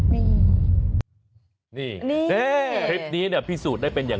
มิตเตอร์หรือเปล่า